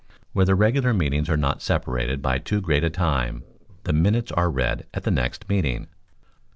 Where the regular meetings are not separated by too great a time, the minutes are read at the next meeting.